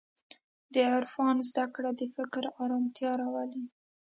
د عرفان زدهکړه د فکر ارامتیا راولي.